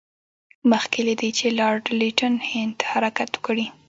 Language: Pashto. مخکې له دې چې لارډ لیټن هند ته حرکت وکړي.